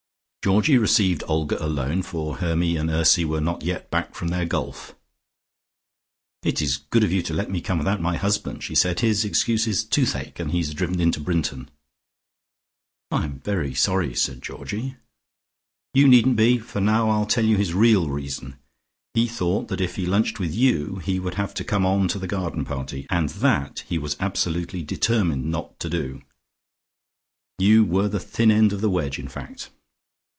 Georgie received Olga alone, for Hermy and Ursy were not yet back from their golf. "It is good of you to let me come without my husband," she said. "His excuse is toothache and he has driven into Brinton " "I'm very sorry," said Georgie. "You needn't be, for now I'll tell you his real reason. He thought that if he lunched with you he would have to come on to the garden party, and that he was absolutely determined not to do. You were the thin edge of the wedge, in fact.